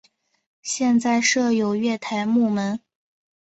现在设有月台幕门。